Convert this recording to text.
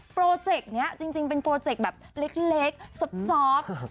โปรเจคเนี่ยจริงเป็นโปรเจคแบบเล็กซบซอบ